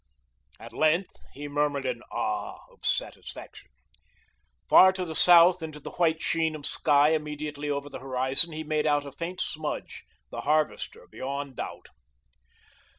At length, he murmured an "Ah" of satisfaction. Far to the south into the white sheen of sky, immediately over the horizon, he made out a faint smudge the harvester beyond doubt.